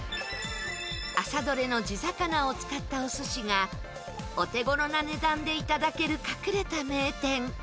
朝どれの地魚を使ったお寿司がお手頃な値段でいただける隠れた名店。